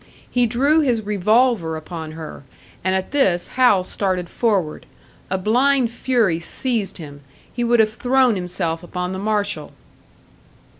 He drew his revolver upon her; and at this Hal started forward. A blind fury seized him he would have thrown himself upon the marshal.